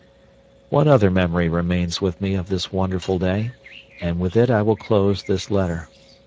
One other memory remains with me of this wonderful day, and with it I will close this letter.